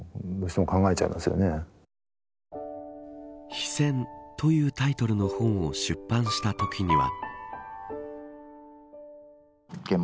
非戦というタイトルの本を出版したときには。